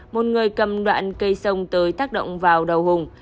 một người cầm đoạn cây sông tới tác động vào đầu hùng